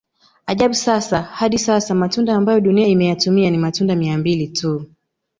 Ajabu sasa hadi sasa matunda ambayo dunia imeyatumia ni matunda mia mbili tu